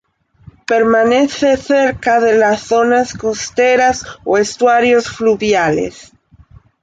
Permanece cerca de las zonas costeras o estuarios fluviales.